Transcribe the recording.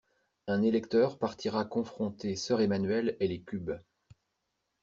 Un électeur partira confronter Soeur Emmanuelle et les cubes.